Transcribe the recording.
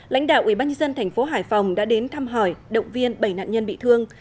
lãnh đạo ubnd thành phố hải phòng đã đến thăm hỏi động viên bảy nạn nhân bị thương